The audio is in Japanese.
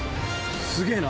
すげぇな。